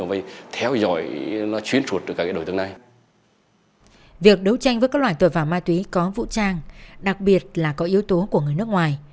việc đấu tranh với các loại tội phạm ma túy có vũ trang đặc biệt là có yếu tố của người nước ngoài